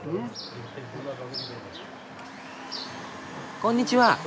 こんにちは。